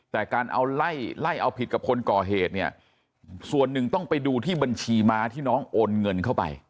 แต่การเอาไล่ไล่เอาผิดกับคนก่อเหตุเนี่ยส่วนหนึ่งต้องไปดูที่บัญชีม้าที่น้องโอนเงินเข้าไป